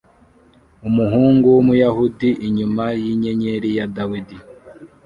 Umuhungu wumuyahudi inyuma yinyenyeri ya Dawidi